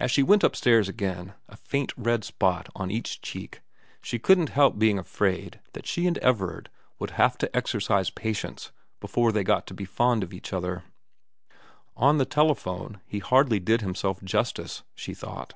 As she went upstairs again, a faint red spot on each cheek, she couldn't help being afraid that she and Everard would have to exercise patience before they got to be fond of each other. On the telephone he hardly did himself justice, she thought.